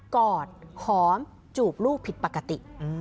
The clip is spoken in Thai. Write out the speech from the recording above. กอดหอมจูบลูกผิดปกติ